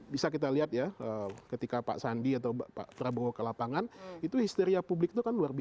bisa kita lihat ya ketika pak sandi atau pak prabowo ke lapangan itu histeria publik itu kan luar biasa